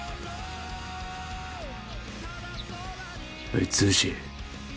おい剛。